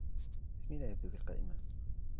اسمي لا يبدو في القائمة.